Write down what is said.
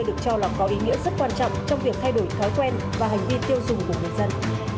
được cho là có ý nghĩa rất quan trọng trong việc thay đổi thói quen và hành vi tiêu dùng của người dân